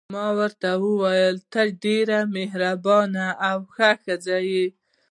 ما ورته وویل: ته ډېره مهربانه او ښه ښځه یې.